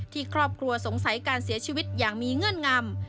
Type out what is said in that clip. ครอบครัวสงสัยการเสียชีวิตอย่างมีเงื่อนงำ